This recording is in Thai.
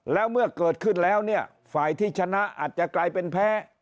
แล้วเมื่อเกิดขึ้นแล้วเนี่ยฝ่ายที่ชนะอาจจะกลายเป็นแพ้